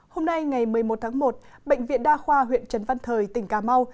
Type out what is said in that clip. hôm nay ngày một mươi một tháng một bệnh viện đa khoa huyện trần văn thời tỉnh cà mau